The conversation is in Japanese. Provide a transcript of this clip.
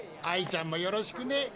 アイちゃんもよろしくね。